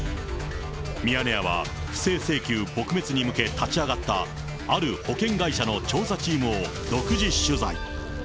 ミヤネ屋は不正請求撲滅に向け立ち上がったある保険会社の調査チームを独自取材。